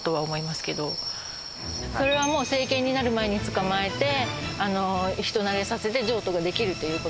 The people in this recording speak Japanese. それはもう成犬になる前に捕まえて人なれさせて譲渡ができるということですよね。